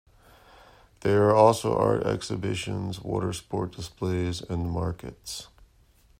There are also art exhibitions, watersport displays and markets.